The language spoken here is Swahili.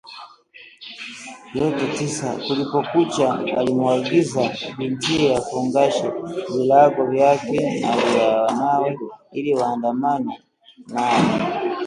Yote tisa, kulipokucha, alimwagiza bintiye afungashe virago vyake na vya wanawe ili waandamame naye